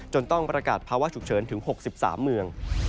ต้องประกาศภาวะฉุกเฉินถึง๖๓เมือง